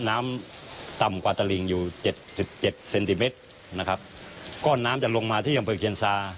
น้ำต่ำกว่าตลิงอยู่เจ็ดสิบเจ็ดเซนติเมตรนะครับก้อนน้ำจะลงมาที่อำเภอเคียนซา